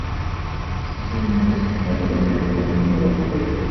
Se trata de una empresa privada ubicada en una antigua base militar.